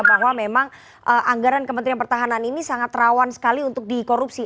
bahwa memang anggaran kementerian pertahanan ini sangat rawan sekali untuk dikorupsi